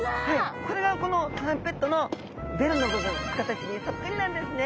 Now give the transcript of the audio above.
これがトランペットのベルの部分の形にそっくりなんですね。